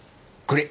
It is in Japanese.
これ。